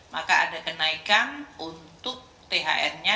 maka ada kenaikan untuk thr nya